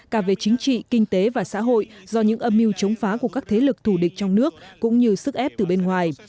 cả về chính trị kinh tế và xã hội do những âm mưu chống phá của các thế lực thù địch trong nước cũng như sức ép từ bên ngoài